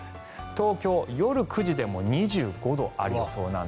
東京夜９時でも２５度あります。